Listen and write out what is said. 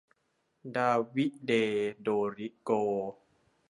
ดาวิเด โดริโก้